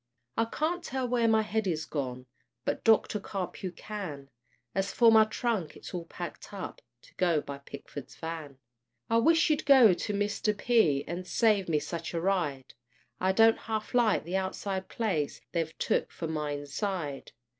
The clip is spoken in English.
I can't tell where my head is gone, But Doctor Carpue can; As for my trunk, it's all packed up To go by Pickford's van. I wish you'd go to Mr. P. And save me such a ride; I don't half like the outside place, They've took for my inside.